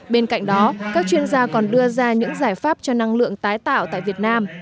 bên cạnh đó các chuyên gia còn đưa ra những giải pháp cho năng lượng tái tạo tại việt nam